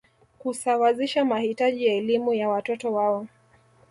Kusawazisha mahitaji ya elimu ya watoto wao